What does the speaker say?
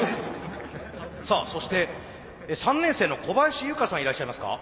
さあそして３年生の小林由佳さんいらっしゃいますか？